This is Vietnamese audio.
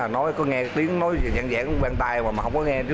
nói có nghe tiếng nói giảng giảng bên tay mà không có nghe